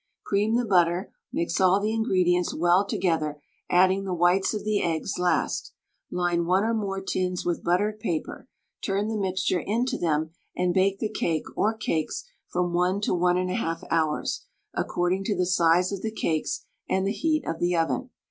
Cream the butter, mix all the ingredients well together, adding the whites of the eggs last; line one or more tins with buttered paper, turn the mixture into them, and bake the cake or cakes from 1 to 1 1/2 hours, according to the size of the cakes and the heat of the oven.